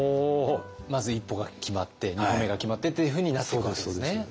まず１歩が決まって２歩目が決まってっていうふうになっていくわけですね。